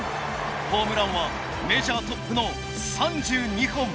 ホームランはメジャートップの３２本。